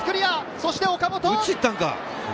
そして岡本。